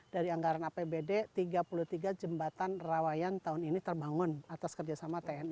dari anggaran apbd tiga puluh tiga jembatan rawayan tahun ini terbangun atas kerjasama tni